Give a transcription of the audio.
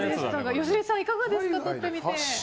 芳根さん、いかがですか撮ってみて。